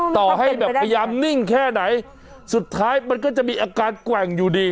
ต่อให้แบบพยายามนิ่งแค่ไหนสุดท้ายมันก็จะมีอาการแกว่งอยู่ดี